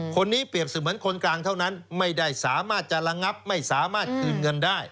เปรียบเสมือนคนกลางเท่านั้นไม่ได้สามารถจะระงับไม่สามารถคืนเงินได้